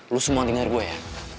lo semua denger gue ya